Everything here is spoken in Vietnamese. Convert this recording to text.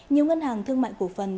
nhiều ngân hàng thương mại cổ phần